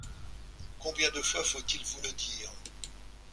Combien de fois faut-il vous le dire ?